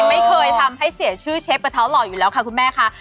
ไม่เคยทำให้เสียชื่อเชฟกระเท้าหล่ออยู่แล้วค่ะคุณแม่ค่ะ